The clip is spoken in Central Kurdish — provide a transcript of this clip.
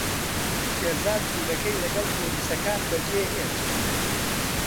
شێرزاد ژوورەکەی لەگەڵ پۆلیسەکان بەجێهێشت.